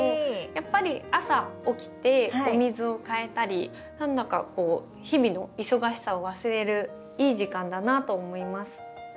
やっぱり朝起きてお水を替えたり何だか日々の忙しさを忘れるいい時間だなと思います。